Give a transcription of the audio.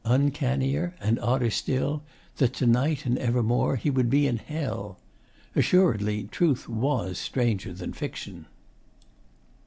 Uncannier and odder still, that to night and evermore he would be in Hell. Assuredly, truth was stranger than fiction.